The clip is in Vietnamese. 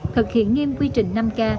thực hiện nghiêm quy trình năm k